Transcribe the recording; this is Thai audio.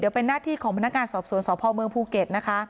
เป็นหน้าที่ของพนักงานสอบสวนสพเมืองภูเก็ตนะคะ